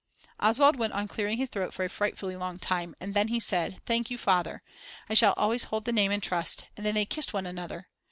Oswald went on clearing his throat for a frightfully long time, and then he said: Thank you, Father, I shall always hold the name in trust, and then they kissed one another.